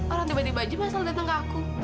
orang tiba tiba aja masalah datang ke aku